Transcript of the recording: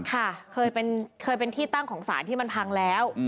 ค่ะเคยเป็นที่ตั้งของสารที่มันพังแล้ว